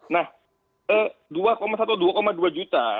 nah dua satu dua dua juta